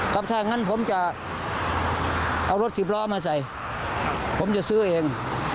ครับถ้างั้นผมจะเอารถสิบล้อมาใส่ผมจะซื้อเอง